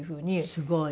すごい！